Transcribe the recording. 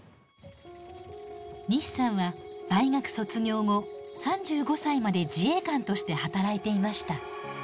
西さんは大学卒業後３５歳まで自衛官として働いていました。